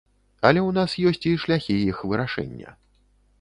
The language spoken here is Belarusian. Але ў нас ёсць і шляхі іх вырашэння.